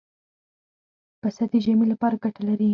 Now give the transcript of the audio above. پسه د ژمې لپاره ګټه لري.